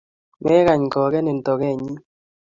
Megany kogenin togenyyi?